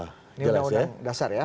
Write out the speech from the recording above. ini undang undang dasar ya